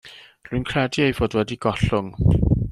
Rwy'n credu ei fod wedi gollwng.